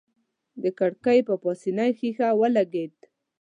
د کړکۍ په پاسنۍ ښيښه ولګېد.